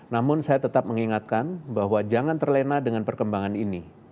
namun saya tetap mengingatkan bahwa jangan terlena dengan perkembangan ini